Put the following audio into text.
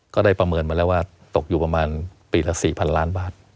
ก็ได้ประเมินมาแล้วว่าตกอยู่ประมาณปีละ๔๐๐ล้านบาท